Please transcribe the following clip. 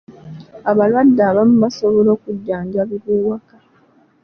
Abalwadde abamu basobola okujjanjabirwa ewaka.